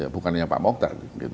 bukan hanya pak moktar